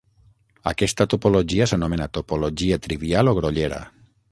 Aquesta topologia s'anomena topologia trivial o grollera.